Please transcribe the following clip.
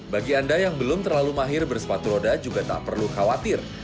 bagi anda yang belum terlalu mahir bersepatu roda juga tak perlu khawatir